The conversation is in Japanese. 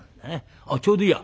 「ちょうどいいや。